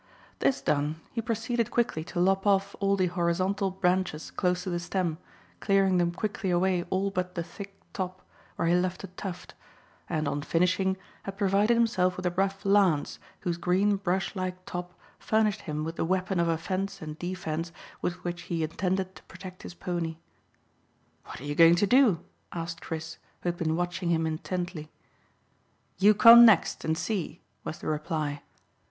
This done, he proceeded quickly to lop off all the horizontal branches close to the stem, clearing them quickly away all but the thick top, where he left a tuft, and on finishing, had provided himself with a rough lance whose green brush like top furnished him with the weapon of offence and defence with which he intended to protect his pony. "What are you going to do?" asked Chris, who had been watching him intently. "You come next, and see," was the reply.